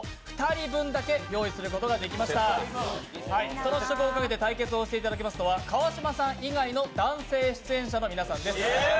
その試食をかけて対決をしていただきますのは川島さん以外の男性の皆さんです。